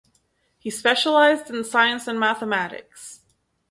He specialised in science and mathematics.